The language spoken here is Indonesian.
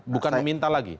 bukan meminta lagi